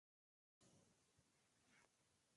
Se debe tener cuidado al hacer esta determinación.